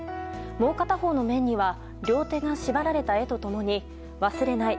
もう片方の面には両手が縛られた絵と共に「忘れない！